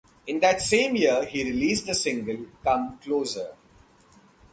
In that same year he released the single "Come Closer".